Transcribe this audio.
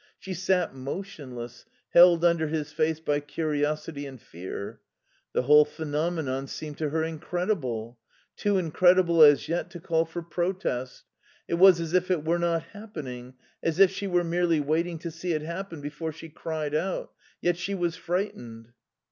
She sat motionless, held under his face by curiosity and fear. The whole phenomenon seemed to her incredible. Too incredible as yet to call for protest. It was as if it were not happening; as if she were merely waiting to see it happen before she cried out. Yet she was frightened.